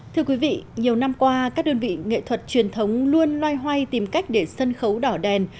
thưa quý vị nhiều năm qua các đơn vị nghệ thuật truyền thống luôn loay hoay tìm cách để sân khấu đỏ đèn